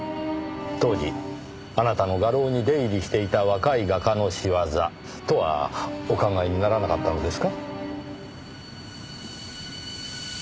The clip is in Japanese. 当時あなたの画廊に出入りしていた若い画家の仕業とはお考えにならなかったのですか？